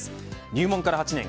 入門から８年。